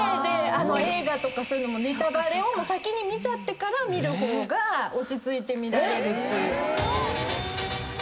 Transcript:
映画とかネタバレを先に見ちゃってから見る方が落ち着いて見られるっていう。